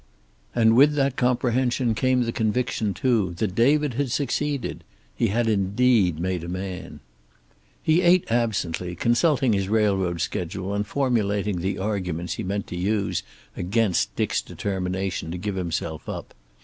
And with that comprehension came the conviction, too, that David had succeeded. He had indeed made a man. He ate absently, consulting his railroad schedule and formulating the arguments he meant to use against Dick's determination to give himself up.